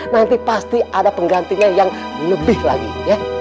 nanti pasti ada penggantinya yang lebih lagi ya